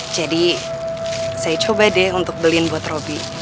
jadi saya coba deh untuk beliin buat robi